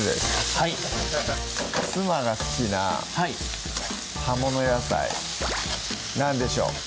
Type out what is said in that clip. はい妻が好きな葉物野菜何でしょう？